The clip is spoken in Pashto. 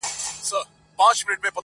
ما یې فال دی پر اورغوي له ازل سره کتلی -